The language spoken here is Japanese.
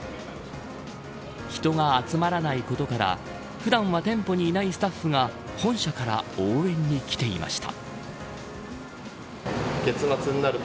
人が集まらないことから普段は店舗にいないスタッフが本社から応援に来ていました。